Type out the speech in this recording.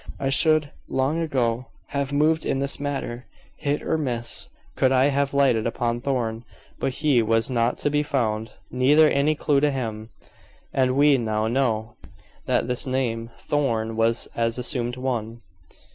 I should long ago have moved in this matter, hit or miss, could I have lighted upon Thorn, but he was not to be found, neither any clue to him, and we now know that this name, Thorn, was an assumed one."